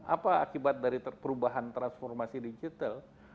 apa akibat dari perubahan transformasi digital